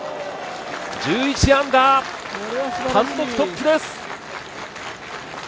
１１アンダー、単独トップです！